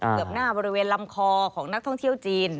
เกือบหน้าบริเวณลำคอของนักท่องเที่ยวจีน